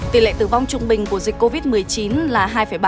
tỷ lệ tử vong trung bình của dịch covid một mươi chín là hai ba